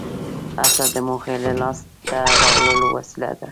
هڅه د موخې د لاس ته راوړلو وسیله ده.